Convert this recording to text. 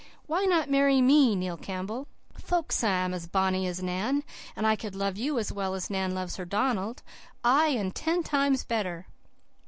Why not marry ME, Neil Campbell? Folks say I'm as bonny as Nan and I could love you as well as Nan loves her Donald ay, and ten times better!